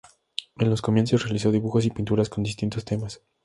En los comienzos realizó dibujos y pinturas con distintos temas.